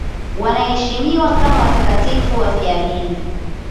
Wanaheshimiwa kama watakatifu wafiadini.